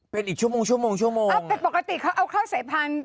เป็นอีกชั่วโมงชั่วโมงชั่วโมงเอาแต่ปกติเขาเอาข้าวสายพันธุ